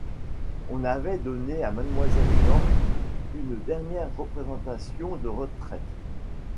On avait donné à Mlle George une dernière représentation de retraite.